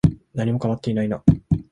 何も変わっていないな。